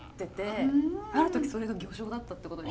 ある時それが魚しょうだったってことに。